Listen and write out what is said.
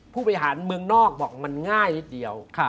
ผู้บริหารเมืองนอกบอกมันง่ายนิดเดียว